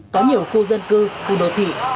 có nhiều khu dân cư khu đô thị